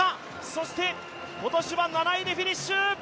そして今年は７位でフィニッシュ。